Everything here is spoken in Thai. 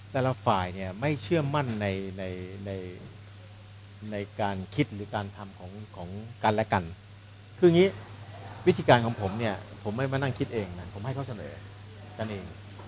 แต่ละฝ่ายไม่เชื่อมั่นในการคิดหรือการทำของวิธีการของผมผมให้มานั่งคิดเองให้เขาเสนอกันเอง